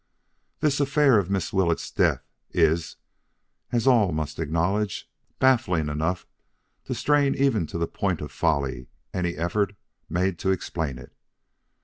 This affair of Miss Willett's death is, as all must acknowledge, baffling enough to strain even to the point of folly any effort made to explain it.